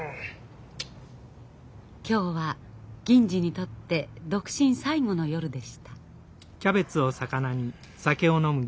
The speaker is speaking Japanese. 今日は銀次にとって独身最後の夜でした。